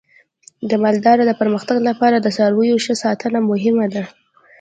د مالدارۍ د پرمختګ لپاره د څارویو ښه ساتنه مهمه ده.